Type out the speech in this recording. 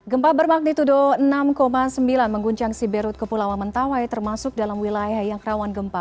gempa bermagnitudo enam sembilan mengguncang siberut kepulauan mentawai termasuk dalam wilayah yang rawan gempa